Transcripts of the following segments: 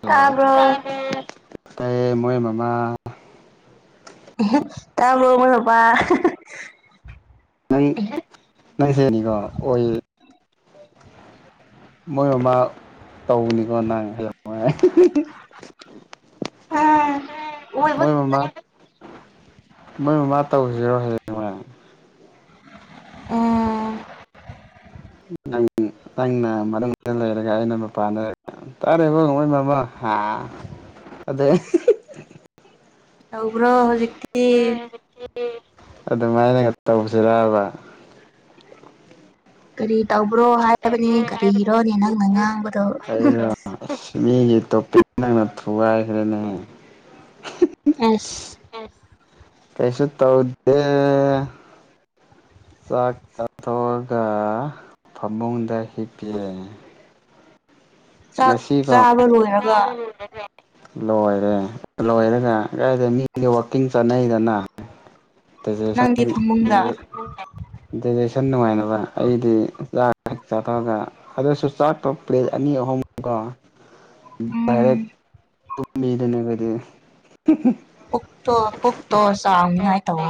hello ꯇꯥꯕ꯭ꯔꯣ ꯑ ꯃꯣꯏ ꯃꯃꯥ ꯇꯥꯕ ꯃꯣꯏ ꯍꯥꯄꯥ ꯅꯪ ꯅꯪꯁꯦꯅꯤꯀꯣ ꯑꯣꯏ [inaudible] ꯃꯣꯏ ꯃꯃꯥ ꯇꯧꯒꯅꯤꯀꯣ ꯅꯥ ꯑꯣꯏꯕ ꯃꯣꯏ ꯃꯥꯃꯥ ꯃꯣꯏ ꯃꯃꯥ ꯇꯧꯁꯤꯔꯣ ꯍꯌꯦꯡ ꯑꯣ ꯅꯪ ꯅꯪꯅ ꯃꯔ ꯂꯩꯔꯒ ꯑꯩꯅ ꯃꯄꯥꯟꯗ ꯇꯥꯔꯦꯕꯣ ꯃꯣꯏ ꯃꯃꯥ ꯍꯥꯥ ꯑꯗ ꯇꯧꯕ꯭ꯔꯣ ꯍꯧꯖꯤꯛꯇꯤ ꯑꯗꯨꯃꯥꯏꯅꯒ ꯇꯧꯕꯁꯤꯔꯕ ꯀꯔꯤ ꯇꯧꯕ꯭ꯔꯣ ꯍꯥꯏꯕꯅꯤ ꯀꯔꯤꯔꯣꯅꯤ ꯅꯪꯅ ꯉꯥꯡꯕꯗꯣ ꯑꯩꯔꯣ ꯑꯁ ꯃꯤꯒꯤ ꯇꯣꯄꯤꯛ ꯅꯪꯅ ꯊꯨꯒꯥꯏꯈ꯭ꯔꯦꯅꯦ ꯑꯁ ꯀꯁꯨ ꯇꯧꯗꯦ ꯆꯥꯛ ꯆꯥꯊꯣꯛꯑꯒ ꯐꯃꯨꯡꯗ ꯍꯤꯞꯄꯤꯑꯦ ꯆꯥꯛ ꯅꯁꯤ ꯀ ꯆꯥꯕ ꯂꯣꯏꯔꯒ ꯂꯣꯏꯔꯦ ꯂꯣꯏꯔꯒ ꯀꯥꯏꯗꯦ ꯃꯤꯗꯤ ꯋꯥꯛꯀꯤꯡ ꯆꯠꯅꯩꯗꯅ ꯅꯪꯒꯤ ꯐꯃꯨꯡꯗ ꯑꯗꯨꯗꯤ ꯁꯟ ꯅꯨꯡꯉꯥꯏꯅꯕ ꯑꯩꯗꯤ ꯆꯥꯊꯑꯒ ꯑꯗꯨꯁꯨ ꯆꯥꯄ ꯄ꯭ꯂꯦꯠ ꯑꯅꯤ ꯑꯍꯨꯝ ꯀꯣ ꯏꯔꯦ ꯎꯝ ꯃꯤꯗꯅ ꯀꯔꯤ ꯄꯨꯛꯇꯣ ꯄꯨꯛꯇꯣ ꯆꯥꯎꯅꯤꯉꯥꯏ ꯇꯋꯣ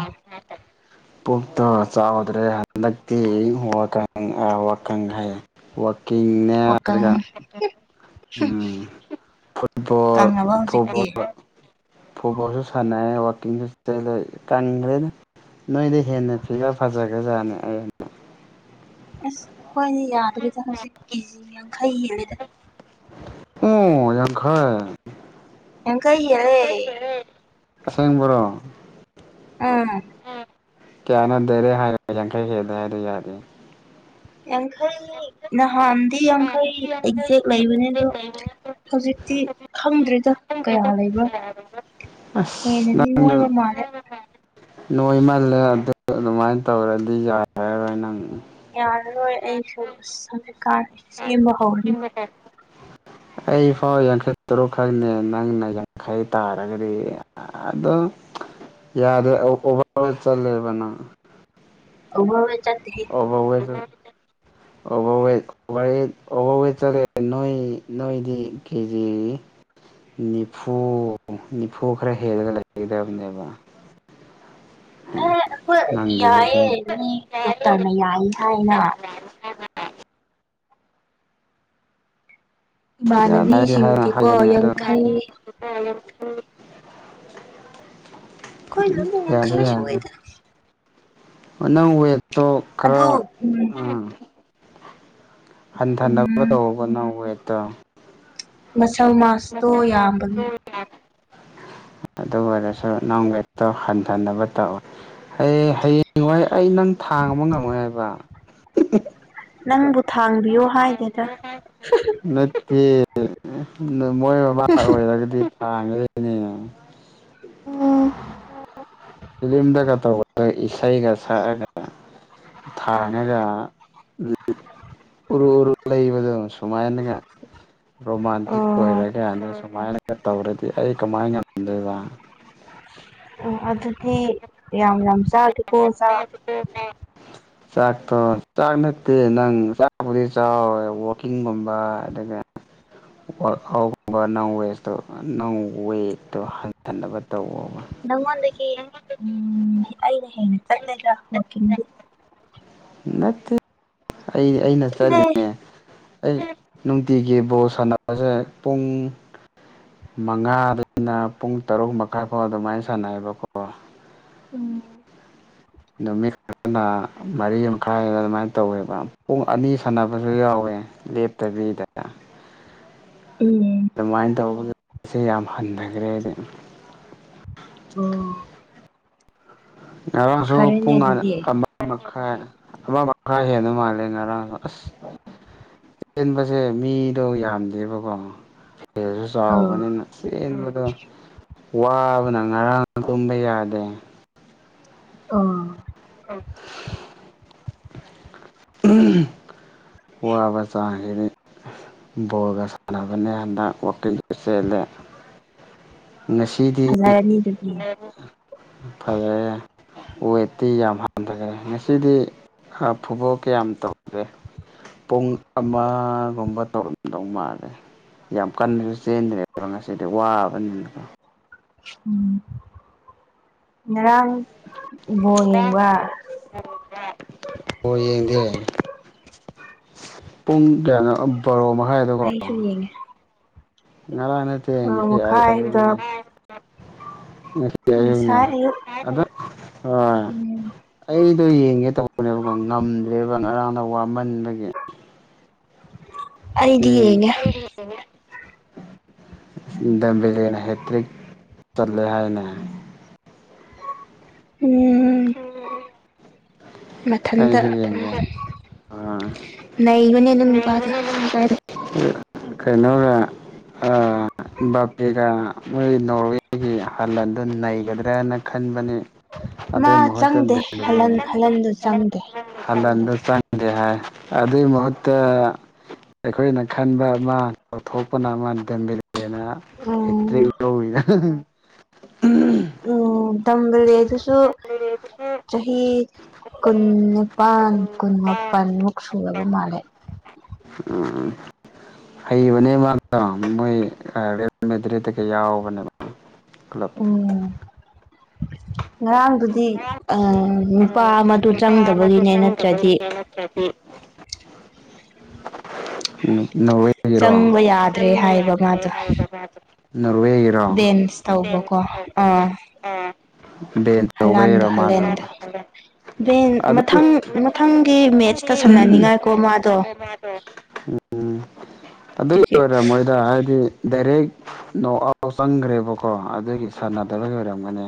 ꯄꯨꯣꯛꯣꯛ ꯇ ꯆꯎꯗ꯭ꯔꯦ ꯍꯟꯗꯛꯇꯛꯇꯤ ꯋꯥꯪ ꯋꯥꯈꯪ ꯍꯥꯏꯩ ꯋꯥꯀꯪ ꯀꯅꯦꯔꯒ ꯎꯝ ꯐꯨꯠꯕꯣꯜ ꯀꯪꯉꯕ ꯍꯧꯖꯤꯛꯇꯤ ꯐꯨꯕꯣꯜ ꯐꯨꯠꯕꯣꯜꯁꯨ ꯁꯥꯟꯅꯩꯦ ꯋꯥꯛꯀꯤꯡꯁꯨꯂ ꯀꯪꯈ꯭ꯔꯦꯅ ꯅꯣꯏꯗ ꯍꯦꯟꯅ ꯐꯤꯖ ꯐꯖꯈ꯭ꯔꯖꯥꯠꯅꯤ ꯑ ꯑꯁ ꯑꯩꯈꯣꯏꯗꯤ ꯌꯥꯗ꯭ꯔꯔꯤꯗ ꯍꯧꯖꯤꯛ ꯀꯦꯖꯤ ꯌꯥꯡꯈꯩ ꯍꯦꯜꯂꯦꯗ ꯎ ꯌꯥꯡꯈꯩ ꯌꯦ ꯀꯩꯔꯦ ꯑꯁꯦꯡ ꯣꯔꯣ ꯑꯝ ꯀꯌꯥꯅ ꯗꯔꯦ ꯍꯥꯏꯔꯖꯪꯈꯩ ꯀꯦꯗ ꯍꯥꯏꯔ ꯌꯥꯔꯤ ꯌꯥꯡꯈ ꯅꯍꯥꯟ ꯗꯤ ꯌꯥꯡꯈꯩ ꯑꯦꯛꯖꯦꯛ ꯂꯩꯕꯅꯦ ꯑꯗꯣ ꯍꯧꯖꯤꯛꯇꯤ ꯈꯪꯗ꯭ꯔꯦꯗ ꯀꯌꯥ ꯂꯩꯕ꯭ꯔꯥ ꯑꯁ ꯍꯦꯟꯅꯗꯤ ꯅꯪꯗꯣ ꯅꯣꯏꯕ ꯃꯥꯜꯂꯦ ꯅꯣꯏꯃꯜꯂꯦ ꯑꯗꯨ ꯑꯗꯨꯃꯥꯏꯅ ꯇꯧꯔꯗꯤ ꯌꯥꯏ ꯍꯥꯏꯔꯣꯏ ꯅꯪ ꯌꯥꯔꯔꯣꯏ ꯑꯩꯁꯨꯀꯥ ꯁꯤ ꯃꯍꯣꯅꯤ ꯑꯩ ꯐꯥꯎ ꯌꯥꯡꯈꯩ ꯇꯔꯨꯛꯈꯛꯅꯦ ꯅꯪꯅ ꯌꯥꯡꯈꯩ ꯇꯥꯔꯒꯗꯤ ꯌꯥꯔꯦ ꯑꯣꯚꯔ ꯆꯠꯂꯦꯕꯅ ꯑ ꯑꯣꯕꯋ ꯑꯣꯕꯋꯦ ꯀꯧꯋꯦ ꯆꯠꯂꯑꯦ ꯅꯣꯏ ꯅꯣꯏꯗꯤ ꯀꯦꯖꯤ ꯅꯤꯐꯨ ꯅꯤꯐꯨ ꯈꯔ ꯍꯦꯜꯂꯒ ꯂꯩꯒꯗꯕꯅꯦꯕ ꯑꯦ ꯑꯩꯈꯣꯏ ꯅꯪꯒꯤꯗꯨꯗꯤ ꯌꯥꯏꯌꯦꯦ ꯃꯤ ꯗꯣꯛꯇꯔꯅ ꯌꯥꯏ ꯍꯥꯏꯅ ꯌꯥꯗꯤ ꯍꯥꯏ ꯏꯃꯥꯟꯅꯕꯤꯁꯤꯡꯗꯤꯀꯣ ꯍꯥꯏꯒꯅꯤ ꯑ ꯌꯥꯡꯈꯩ ꯑꯩꯈꯣꯏ ꯂꯣꯏꯅ ꯌꯥꯡꯈꯩ ꯌꯥꯗ ꯌꯥꯗ ꯁꯨꯑꯦꯗ ꯅꯪ ꯋꯦꯠꯇꯣ ꯑꯗꯣ ꯈꯔ ꯎꯝ ꯎꯝ ꯍꯟꯊꯅꯕ ꯎꯝ ꯇꯧꯕꯅ ꯋꯦꯠꯇ ꯃꯁꯜ ꯃꯥꯁꯇꯣ ꯌꯥꯝꯕꯒꯤ ꯑꯗꯨ ꯑꯣꯏꯔꯁꯨ ꯅꯣꯡꯒꯤꯩꯛꯇꯣ ꯍꯟꯊꯅꯕ ꯇꯧꯋꯤ ꯍꯌꯦ ꯍꯌꯦꯡꯋꯥꯏ ꯑꯩ ꯅꯪ ꯊꯥꯡ ꯑꯃ ꯉꯝꯃꯣꯏ ꯍꯥꯏꯕ ꯅꯪꯕꯨ ꯊꯥꯡꯕꯤꯌꯣ ꯍꯥꯏꯗꯦꯗ ꯅ ꯃꯣꯏ ꯃꯕꯥꯥ ꯑꯣꯏꯔꯒꯗꯤ ꯊꯥꯡꯉꯦꯅꯦ ꯎꯝ ꯐꯤꯂꯝꯗꯒ ꯇꯧꯕ ꯏꯁꯩꯒ ꯁꯛꯑꯒ ꯊꯥꯉꯒ ꯎꯔꯨ ꯎꯔꯨ ꯂꯩꯕꯗ ꯁꯨꯃꯥꯏꯅꯒ ꯔꯣꯃꯥꯟꯇꯤꯛ ꯑꯣ ꯑꯣꯏꯔꯒꯅ ꯁꯨꯃꯥꯏꯅ ꯇꯧꯔꯗꯤ ꯑꯩ ꯀꯃꯥꯏꯅ ꯉꯝꯗꯣꯏꯕ ꯎꯝ ꯑꯗꯨꯗꯤ ꯌꯥꯝ ꯌꯥꯝ ꯆꯥꯒꯦꯀꯣ ꯆꯥ ꯆꯥꯛꯇꯣ ꯆꯥꯛ ꯅꯠꯇꯦ ꯅꯪ ꯆꯥꯛꯕꯨꯗꯤ ꯆꯥꯎꯋꯦ ꯋꯥꯛꯀꯤꯡꯒꯨꯝꯕ ꯑꯗꯨꯒ ꯋꯥꯔꯛ ꯑꯥꯎꯠꯀꯨꯝꯕ ꯅꯪ ꯋꯦꯁꯇꯣ ꯅꯪ ꯋꯦꯠꯇꯣ ꯍꯟꯍꯟꯅꯕ ꯇꯧꯕꯋ ꯅꯉꯗꯗꯒꯤ ꯎꯝ ꯑꯩꯩꯅ ꯍꯦꯅ ꯆꯂ ꯍꯗꯤ ꯅꯠꯇꯦ ꯑꯩ ꯑꯩꯅ ꯆꯠꯂꯦ ꯆꯠꯂꯤꯅꯦꯦ ꯑꯩ ꯅꯨꯡꯇꯤꯒꯤ ꯕꯣ ꯁꯥꯟꯅꯕꯁꯦ ꯄꯨꯡ ꯃꯉꯥꯅ ꯄꯨꯡ ꯇꯔꯨꯛ ꯃꯈꯥꯏ ꯐꯥꯎ ꯑꯗꯨꯃꯥꯏꯅ ꯁꯥꯟꯅꯩꯑꯕꯀꯣ ꯎꯝ ꯃꯦ ꯅ ꯃꯔꯤ ꯃꯈꯥꯏꯗ ꯑꯗꯨꯃꯥꯏꯅ ꯇꯧꯋꯦꯕ ꯄꯨꯡ ꯑꯅꯤ ꯁꯥꯟꯅꯕꯁꯨ ꯌꯥꯎꯋꯦ ꯂꯦꯞꯇꯕꯤ ꯕꯤꯗ ꯎꯝ ꯑꯗꯨꯃꯥꯏꯅ ꯇꯧꯕꯗꯁꯦ ꯌꯥꯝ ꯍꯟꯊꯈ꯭ꯔꯦꯗꯤ ꯑꯣ ꯉꯔꯥꯡꯁꯨ ꯐꯔꯦꯅꯦ ꯄꯨꯡ ꯈꯔ ꯑꯗꯨꯗꯤ ꯑꯃ ꯈꯔ ꯍꯦꯟꯅ ꯃꯥꯜꯂꯦ ꯉꯔꯥꯡꯗꯣ ꯑꯁ ꯆꯦꯟꯕꯁꯦ ꯃꯤꯗꯣ ꯌꯥꯝꯗꯦꯕꯀꯣ ꯇꯦꯜꯁꯨ ꯑꯥ ꯆꯥꯎꯕꯅꯤꯅ ꯆꯦꯟꯕꯗꯣ ꯋꯥꯕꯅ ꯉꯔꯥꯡ ꯇꯨꯝꯕ ꯌꯥꯗꯦ ꯑꯣ [inaudible] ꯑꯍꯝ ꯋꯥꯕ ꯆꯥꯡꯁꯤꯗꯤ ꯕꯣꯜꯒ ꯁꯥꯟꯅꯕꯅꯦ ꯗ ꯋꯥꯀꯤꯡꯁꯨ ꯆꯦꯜꯂꯦ ꯉꯁꯤꯗꯤ ꯐꯖꯥꯔꯅꯤ ꯑꯗꯨ ꯐꯖꯔꯦ ꯌꯥ ꯋꯦꯠꯇꯤ ꯌꯥꯝ ꯍꯟꯊꯈ꯭ꯔꯦ ꯉꯁꯤꯗꯤ ꯐꯨꯠꯕꯣꯜ ꯀꯌꯥꯝ ꯇꯧꯒꯦ ꯄꯨꯡ ꯑꯃꯒꯨꯝꯕ ꯇꯧꯔꯝꯗꯧ ꯃꯥꯜꯂꯦ ꯌꯥꯝ ꯀꯟꯅꯁꯨ ꯆꯦꯟꯗ꯭ꯔꯦꯕ ꯉꯁꯤꯗꯤ ꯋꯥꯕꯅꯤꯅ ꯀꯣ ꯎꯝ ꯉꯔꯥꯡ ꯕꯣꯜ ꯌꯦꯡꯕ꯭ꯔꯥ ꯕꯣꯜ ꯌꯦꯡꯗꯦ ꯄꯨꯡ ꯀꯌꯥꯅꯣ ꯕꯥꯔꯣ ꯃꯈꯥꯏꯗꯀꯣ ꯑꯩꯁꯨ ꯌꯦꯡꯉꯦ ꯉꯔꯥꯡ ꯅꯠꯇꯦ ꯕꯥꯔꯣ ꯉꯁꯤ ꯑꯩ ꯃꯈꯥꯏꯗ ꯑꯌꯨꯛꯅꯦ ꯉꯁꯤ ꯑꯌꯨꯛꯅꯦ ꯉꯁꯥꯏ ꯑꯌꯨꯛ ꯑꯗ ꯍꯣꯏ ꯎꯝ ꯑꯩ ꯑꯗꯨ ꯌꯦꯡꯒꯦ ꯇꯧꯕꯅꯦꯕꯀꯣ ꯉꯝꯗ꯭ꯔꯦꯕ ꯉꯔꯥꯡꯅ ꯋꯥꯃꯟꯕꯒꯤ ꯑꯩꯗꯤ ꯌꯦꯡ ꯌꯦꯡꯉꯦ ꯗꯦꯝꯕꯦꯂꯦꯅ ꯍꯦꯛꯇ꯭ꯔꯤꯛ ꯆꯠꯂꯦ ꯍꯥꯏꯅꯦ ꯎꯝ ꯃꯊꯟꯇ ꯑꯩꯁꯨ ꯌꯦꯡꯒꯦ ꯑꯥ ꯅꯩꯕꯅꯤ ꯑꯗꯨ ꯅꯨꯄꯥꯗꯨ ꯀꯩꯅꯣꯒ ꯑꯥ ꯕꯥꯄꯦꯒ ꯃꯣꯏ ꯅꯣꯔꯋꯦꯒꯤ ꯍꯜꯟꯗꯨ ꯅꯩꯒꯗ꯭ꯔꯅ ꯈꯟꯕꯅꯤ ꯃꯥ ꯑꯗꯩ ꯃꯍꯨꯠꯇ ꯆꯪꯗꯦ ꯗꯦꯕꯦꯂꯦ ꯍꯜꯂꯟ ꯍꯜꯂꯟꯗꯣ ꯆꯪꯗꯦ ꯍꯂꯥꯟꯗꯨ ꯆꯪꯗꯦ ꯍꯥꯏ ꯑꯗꯨꯏ ꯃꯍꯨꯠꯇ ꯑꯩꯈꯣꯏꯅ ꯈꯟꯕ ꯃꯥ ꯇꯧꯊꯣꯛꯄꯅ ꯃꯥꯅ ꯗꯦꯝꯕꯦꯂꯦꯅ ꯍꯦꯛꯇ꯭ꯔꯤ ꯂꯧꯋꯤꯗ ꯎꯨꯝ ꯗꯦꯝꯕꯦꯂꯦꯗꯨꯁꯨ ꯆꯍꯤ ꯀꯨꯟꯅꯤꯄꯜ ꯀꯨꯟꯃꯄꯜꯃꯨꯛ ꯁꯨꯔ ꯕ ꯃꯥꯜꯂꯦ ꯎꯝ ꯍꯩꯕꯅꯦ ꯃꯥꯗꯣ ꯃꯣꯏ ꯔꯦꯜ ꯃꯦꯗ꯭ꯔꯤꯠꯇꯒ ꯌꯥꯎꯕꯅꯦꯕ ꯀ꯭ꯂꯕ ꯉꯔꯥꯡ ꯗꯨꯗꯤ ꯅꯨꯄꯥ ꯑꯃ ꯆꯪꯗꯕꯒꯤꯅꯦ ꯅꯠꯇ꯭ꯔꯗꯤ ꯎꯝ ꯆꯪꯕ ꯅꯣꯔꯋꯦꯒꯤꯔꯣ ꯌꯥꯗ꯭ꯔꯦ ꯅꯣꯔꯋꯦꯒꯤꯔꯣ ꯗꯦꯟꯁ ꯇꯧꯕꯀꯣ ꯑꯥ ꯕꯦꯟ ꯍꯜꯂꯥꯟꯗ ꯇꯧꯕꯩꯔꯣ ꯃꯥꯗꯣ ꯍꯥꯂꯦꯟꯗꯣ ꯕꯦꯟ ꯑꯗꯨ ꯃꯊꯪ ꯃꯊꯪꯒꯤ ꯃꯦꯠꯁꯇ ꯁꯥꯟꯅꯅꯤꯡꯉꯥꯏꯀꯣ ꯃꯥꯗꯣ ꯎꯨꯝ ꯑꯗꯨ ꯑꯗꯨꯒꯤ ꯑꯣꯏꯔꯝꯃꯣꯏꯗ ꯍꯥꯏꯗꯤ ꯗꯥꯏꯔꯦꯛ ꯅꯣꯛ ꯑꯥꯎ ꯆꯪꯈ꯭ꯔꯦꯕꯀꯣ ꯑꯗꯨꯒꯤ ꯁꯥꯟꯅꯗꯕꯒꯤ ꯑꯣꯏꯔꯝꯒꯅꯤ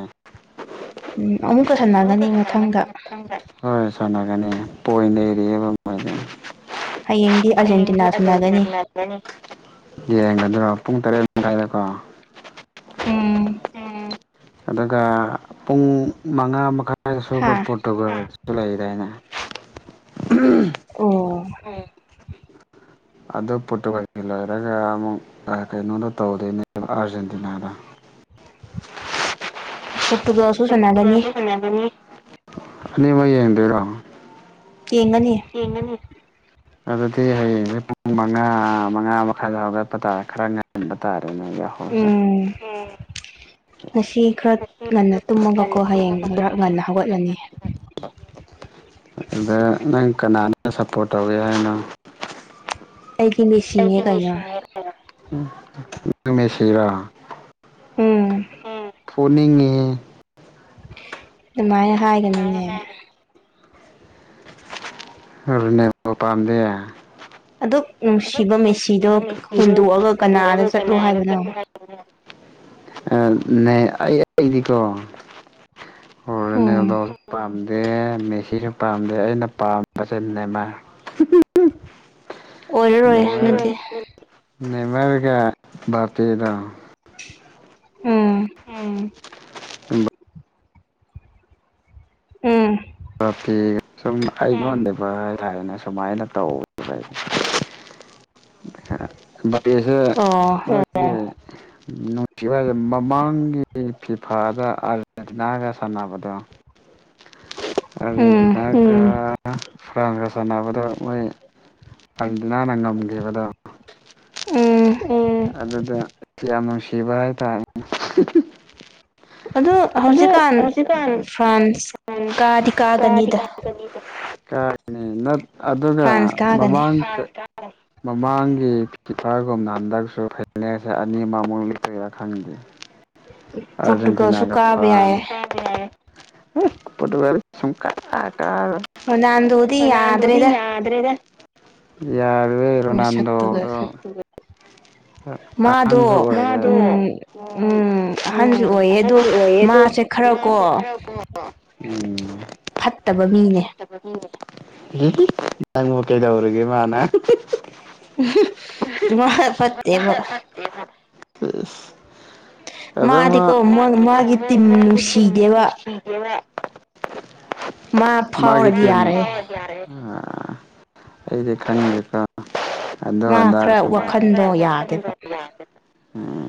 ꯎꯝ ꯑꯃꯨꯛꯀ ꯁꯥꯟꯅꯒꯅꯤ ꯃꯊꯪꯗ [unintelligible] ꯃꯊꯪꯗ ꯍꯣꯏ ꯁꯥꯟꯅꯒꯅꯤ ꯄꯣꯏ ꯂꯩꯔꯑꯦꯕ ꯃꯣꯏꯅ ꯍꯌꯦꯡꯗꯤ ꯑꯥꯔꯖꯦꯟꯇꯤꯅꯥ ꯁꯥꯟꯅꯗꯣꯏꯅꯤ ꯌꯦꯡꯒꯗ꯭ꯔꯣ ꯄꯨꯡ ꯇꯔꯦꯠ ꯃꯈꯥꯏꯗꯀꯣ ꯎꯝ ꯑ ꯑꯗꯨꯒ ꯄꯨꯡ ꯃꯉꯥ ꯃꯈꯥꯏ ꯁ꯭ꯋꯥꯏꯗ ꯍꯥ ꯁꯕ ꯄꯣꯇꯨꯒꯁꯨ ꯂꯩꯥꯛꯏꯗꯥ ꯑꯩꯅ ꯑꯣ ꯑꯗꯞ ꯄꯇꯨꯒꯁꯤ ꯂꯣꯏꯔꯒ ꯑꯃꯨꯛ ꯀꯩꯅꯣꯗ ꯇꯧꯗꯣꯏꯅꯦꯕ ꯑꯥꯔꯖꯦꯟꯇꯤꯅꯥꯗ [inaudible] ꯄꯣꯔꯇꯨꯒꯜꯁꯨ ꯁꯥꯟꯅꯒꯅꯤ ꯅꯤꯡꯅꯤꯃ ꯑꯗꯔ ꯌꯦꯡꯒꯅꯤ ꯑꯗꯨꯗꯤ ꯍꯌꯦꯡꯁꯦ ꯄꯨꯡ ꯃꯉꯥ ꯃꯉꯥ ꯃꯈꯥꯏꯗ ꯍꯧꯒꯠꯄ ꯇꯥꯔꯦ ꯈꯔ ꯉꯟꯕ ꯇꯥꯔꯦ ꯌꯥ ꯍꯣꯖ ꯎꯝ ꯎ ꯉꯁꯤ ꯈꯔ ꯉꯟꯅ ꯇꯨꯝꯃꯒꯀꯣ ꯍꯌꯦꯡ ꯈꯔ ꯉꯟꯅ ꯍꯧꯒꯠꯂꯅꯤ [inaudible] ꯑꯗꯨꯗ ꯅꯪ ꯀꯅꯥꯅ ꯁꯞꯄꯣꯔꯠ ꯇꯧꯋꯤ ꯍꯥꯏꯅꯣ ꯑꯩꯗꯤ ꯃꯦꯁꯤꯅꯦ ꯀꯩꯅꯣ ꯁꯤꯔ ꯎꯝ ꯄꯨꯅꯤꯡꯉꯤ ꯑꯗꯨꯃꯥꯏꯅ ꯍꯥꯏꯒꯅꯤꯨꯅꯦ ꯅꯤꯃ ꯄꯥꯟꯗꯦꯌꯥ ꯑꯗꯨꯛ ꯅꯨꯡꯁꯤꯕ ꯃꯦꯁꯤꯗꯣ ꯑꯗꯨꯝꯕꯅꯨꯡꯁꯤꯗꯣ ꯍꯨꯟꯗꯣꯛꯑꯒ ꯀꯅꯥꯗ ꯍꯨꯟꯗꯣꯛꯑꯒ ꯆꯠꯂꯣ ꯆꯔ ꯍꯥꯏꯕꯅꯣ ꯆꯠꯂ ꯍꯥꯏ ꯅ ꯑꯩꯗꯤꯀꯣ ꯍꯔ ꯎꯝ ꯅꯗ ꯑ ꯃꯦꯁꯤꯁꯨ ꯄꯥꯝꯗꯦ ꯑꯩꯅ ꯄꯥꯝꯕꯁꯦ ꯅꯦꯃꯥ ꯑꯣꯏꯔꯔꯣꯏꯦ ꯑꯗꯨꯗꯤ ꯅꯃꯦꯔꯒ ꯔꯇꯤꯗ ꯎꯝ ꯎꯝ ꯎꯝ ꯤ ꯁꯨꯝ ꯑꯩꯉꯣꯟꯗꯕ ꯂꯥꯏꯔꯅ ꯁꯨꯃꯥꯏꯅ ꯇꯧ [inaudible] ꯁ ꯑꯣ ꯅꯨꯡꯁꯤꯁꯦ ꯃꯃꯥꯡꯒꯤ ꯐꯤꯐꯥꯗ ꯑꯥꯔꯖꯦꯟꯇꯤꯅꯥꯒ ꯁꯥꯟꯅꯕꯗꯣ [inaudible] ꯑꯗꯨ ꯎꯝ ꯐ꯭ꯔꯥꯟꯁꯀ ꯁꯥꯟꯅꯕꯗ ꯃꯣꯏ ꯑꯥꯔꯖꯦꯟꯇꯤꯅꯥꯅ ꯉꯝꯈꯤꯕꯗꯣ ꯎꯝ ꯎ ꯑꯗꯨꯗꯗ ꯁꯤ ꯌꯥꯝ ꯁꯤꯕꯥꯥꯏ ꯇꯥꯏ ꯑꯗꯣ ꯑꯗꯨꯗꯣ ꯍꯧꯖꯤꯛꯀꯥꯟ ꯍꯧꯖꯤ ꯀ ꯐ꯭ꯔꯥꯟꯁ ꯀꯥꯗꯤ ꯀ ꯀꯥꯒꯅꯤꯗ ꯀꯥꯏ ꯑꯗꯨꯒ ꯐ꯭ꯔꯥꯟꯁ ꯀꯥꯒꯅꯤ ꯃꯃꯥꯡ ꯃꯃꯥꯡꯒꯤ ꯑꯣꯐꯔꯒꯨꯝꯅ ꯍꯟꯗꯛꯁꯨ ꯐꯤꯅꯦꯦꯟꯁ ꯑꯅꯤꯃꯛꯃꯨꯛ ꯂꯤꯄꯔꯥ ꯈꯪꯗꯦ ꯑꯔꯖꯦꯟꯇꯤꯅꯥ ꯄꯣꯔꯇꯨꯒꯜꯁꯨ ꯀꯥꯕ ꯐ꯭ꯂꯥꯟ ꯌꯥꯏꯌꯦ ꯄꯇꯒ ꯔꯣꯅꯥꯜꯗꯣꯗꯤ ꯅꯥꯟꯗꯤ ꯌꯥꯗ꯭ꯔꯦꯗ ꯌꯥꯗ꯭ꯔꯦꯗ ꯏꯔ ꯅꯗꯣ ꯃꯁꯛꯇꯨꯒ ꯎ ꯃꯥꯗꯣ ꯎꯝ ꯎꯝ ꯑꯍꯟꯁꯨ ꯑꯣꯏꯌꯦ ꯑꯗꯣ ꯎꯝ ꯃꯥꯁꯦ ꯈꯔ ꯃꯥꯁꯦ ꯀꯣ ꯈ ꯀꯍꯕ ꯐꯠꯇꯕ ꯃꯤꯅꯦ ꯅꯪ ꯀꯩꯗꯧꯔꯒꯦ ꯃꯥꯅ ꯃꯥ ꯐꯠꯇꯦꯕ [unintelligible] ꯃꯥꯗꯤꯀꯣ ꯃꯥꯒꯤ ꯇꯤꯝ ꯅꯨꯡꯁꯤꯗꯦꯕ ꯑ ꯃꯥ ꯃꯥꯒꯤ ꯐꯥꯎꯔꯗꯤ ꯇꯅꯤ ꯌꯥꯔꯦ ꯑꯩꯗꯤ ꯈꯟꯒꯦꯀꯣ ꯑꯗꯨ ꯃꯥ ꯈꯔ ꯑꯗꯥꯒꯨꯝ ꯋꯥꯈꯟꯗꯣ ꯌꯥꯗꯦꯕ ꯎꯝ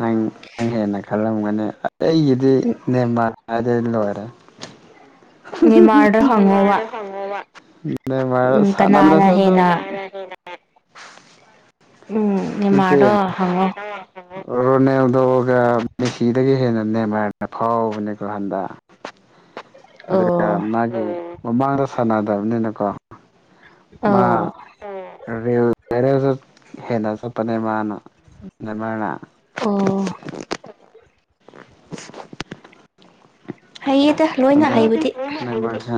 ꯅꯪ ꯅꯪ ꯍꯦꯟꯅ ꯈꯜꯂꯝꯒꯅꯤ ꯑꯩꯒꯤꯗꯤ ꯅꯦꯝꯃꯥꯟ ꯍꯥꯏꯗ ꯂꯣꯏꯔꯦ ꯅꯦꯃꯥꯔꯗ ꯃꯥꯗ ꯍꯪꯉꯣꯕ ꯍꯪꯉꯕ ꯅ ꯎꯝ ꯀꯅꯥꯅ ꯃꯔꯔꯁꯅꯗꯁꯗ ꯍꯦꯟꯅ ꯎꯝ ꯅꯠꯇꯦ ꯃꯥꯣ ꯍꯉꯣ ꯔꯣꯅꯦꯜꯗꯣꯒ ꯃꯦꯁꯤꯤꯗꯒꯤ ꯍꯦꯟꯅ ꯅꯦꯝꯃꯔꯅ ꯐꯥꯎꯕꯅꯦꯀꯣ ꯍꯟꯗ ꯑꯗꯨꯒ ꯑꯣ ꯃꯥꯒꯤ ꯃꯃꯥꯡꯗ ꯁꯥꯟꯅꯗꯕꯅꯤꯅꯀꯣ ꯃꯥ ꯑꯣ ꯔ ꯂꯩꯔꯁꯨ ꯍꯦꯟꯅ ꯆꯠꯄꯅꯦ ꯃꯥꯅ ꯃꯅ ꯑ ꯍꯩꯌꯦꯗ ꯂꯣꯏꯅ ꯍꯩꯕꯗꯤ [unintelligible] ꯁ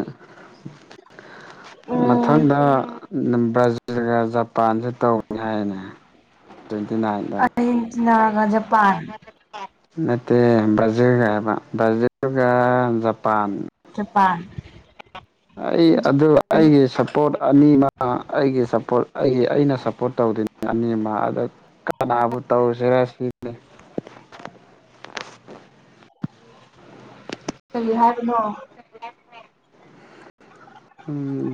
ꯎꯝ ꯃꯊꯪꯗ ꯕ꯭ꯔꯥꯖꯤꯜꯒ ꯖꯄꯥꯟꯁꯨ ꯇꯧꯏꯦ ꯍꯥꯏꯅꯦ ꯇ꯭ꯋꯦꯟꯇꯤꯅꯥꯗ ꯑꯥꯔꯖꯦꯟꯇꯤꯅꯥꯒ ꯖꯄꯥꯟ ꯑꯦ ꯖꯔꯨꯒꯕ ꯏꯖꯔꯨꯒꯥ ꯖꯄꯥꯟ ꯄꯥ ꯑꯩ ꯑꯗꯨ ꯑꯩꯒꯤ ꯁꯞꯄꯣꯔꯠ ꯑꯅꯤꯃ ꯑꯩꯒꯤ ꯁꯄꯣꯔꯠ ꯑꯩꯒꯤ ꯑꯩꯅ ꯁꯞꯄꯣꯔꯠ ꯇꯧꯗꯣꯏꯅꯤ ꯑꯅꯤꯃꯗ ꯀꯅꯥꯕꯨ ꯇꯧꯁꯤꯔ ꯁꯤ [unintelligible] ꯀꯔꯤ ꯍꯥꯏꯔꯤꯅꯣ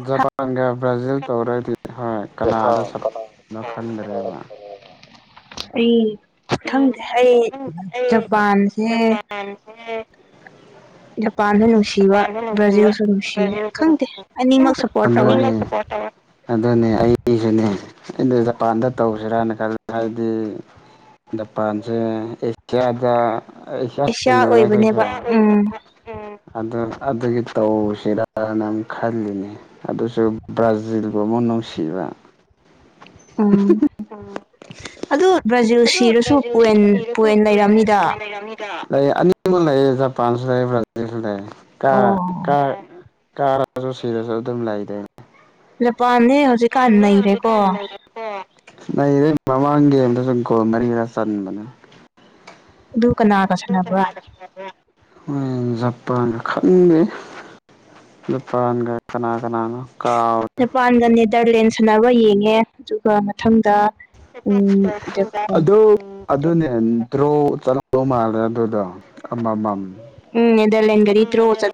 ꯖꯄꯥꯟꯒ ꯕ꯭ꯔꯥꯖꯤꯜ ꯇꯧꯔꯒꯗꯤ ꯍꯣꯏ ꯀꯅꯥꯗ ꯂꯟꯗꯔꯦꯕ ꯑꯩ ꯈꯪꯗꯦ ꯑꯩ ꯖꯄꯥꯟꯁꯦ ꯖꯄꯥꯟꯁꯨ ꯅꯨꯡꯁꯤꯕ ꯕ꯭ꯔꯥꯖꯤꯜꯁꯨ ꯅꯨꯡꯁꯤꯌꯦ ꯈꯪꯗꯦ ꯑꯅꯤꯃꯛ ꯁꯞꯄꯣꯔꯠ ꯇꯧꯋꯦ ꯑꯗꯨꯅꯦ ꯑꯗꯨꯅꯦ ꯑꯩꯁꯨꯅꯦ ꯑꯩꯅ ꯖꯄꯥꯟꯗ ꯇꯧꯁꯤꯔꯥꯅ ꯈꯜꯂ ꯍꯥꯏꯗꯤ ꯖꯄꯥꯟꯁꯦ ꯑꯦꯁꯤꯌꯥꯗ ꯏꯁ ꯑꯦꯁꯤꯌꯥ ꯊꯦꯡꯅꯗꯅ ꯑꯩꯈꯣꯏꯁꯦ ꯑꯣꯏꯕꯅꯦꯕ ꯎꯝ ꯑ ꯑꯗꯨꯒꯤ ꯇꯧꯁꯤꯔꯅ ꯈꯜꯂꯤꯅꯤ ꯑꯗꯨꯁꯨ ꯕ꯭ꯔꯥꯖꯤꯜꯒꯨꯝꯕ ꯅꯨꯡꯁꯤꯕ ꯎꯝ ꯑꯗꯨ ꯕ꯭ꯔꯥꯖꯤꯜ ꯁꯤꯔꯁꯨꯟ ꯄꯣꯏꯟ ꯂꯩꯔꯝꯅꯤꯗ ꯂꯩ ꯑꯅꯤꯃꯛ ꯂꯩꯌꯦ ꯖꯄꯥꯟꯁꯨ ꯂꯩ ꯕ꯭ꯔꯥꯖꯤꯜꯁꯨ ꯂꯩ ꯑꯣ ꯀꯥꯔꯁꯨ ꯁꯤꯔꯁꯨ ꯑꯗꯨꯝ ꯂꯩꯗꯅꯦ ꯖꯄꯥꯟꯅꯦ ꯍꯧꯖꯤꯛꯀꯥꯟ ꯅꯩꯔꯦꯀꯣ ꯅꯗꯩ ꯃꯃꯥꯡꯒꯤ ꯑꯃꯗ ꯁ ꯀꯣꯜ ꯃꯔꯤꯔꯥ ꯆꯟꯕꯅꯦ ꯑꯗꯨ ꯀꯅꯥꯒ ꯁꯥꯟꯅꯕ꯭ꯔꯥ [unintelligible] ꯄꯥꯟꯒ ꯈꯪꯗꯦ ꯄꯥꯟꯒ ꯀꯅꯥꯒ ꯀ ꯖꯄꯥꯟꯒ ꯅꯦꯗꯔꯂꯦꯟ ꯁꯥꯟꯅꯕ ꯌꯦꯡꯉꯦ ꯑꯗꯨꯒ ꯃꯊꯪꯗ ꯎꯝ ꯖꯄꯥꯟ ꯑꯗꯣ ꯑꯗꯣ ꯅ ꯇ꯭ꯔꯨ ꯆꯠꯂꯧ ꯃꯥꯜꯂꯦ ꯑꯗꯨꯗꯣ ꯑꯃꯃꯝ ꯎꯝ ꯅꯦꯗꯔꯂꯦꯟꯥꯟ ꯒꯔꯤ ꯏꯗ꯭ꯔꯣ ꯆ